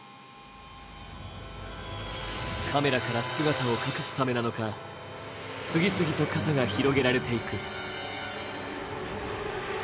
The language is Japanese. カメラから姿を隠すためなのか、次々と傘が広げられていく。